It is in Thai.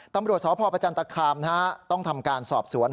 ตำรวจสพประจันตคามต้องทำการสอบสวน